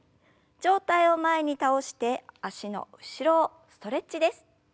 上体を前に倒して脚の後ろをストレッチです。